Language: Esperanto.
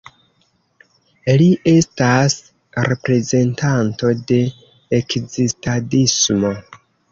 Li estas reprezentanto de Ekzistadismo.